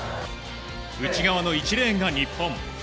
内側の１レーンが日本。